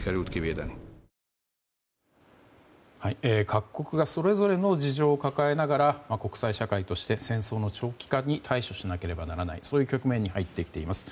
各国がそれぞれの事情を抱えながら国際社会として戦争の長期化に対処しなければならない局面に入ってきています。